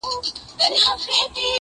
د وخت ابلیسه پوره نیمه پېړۍ-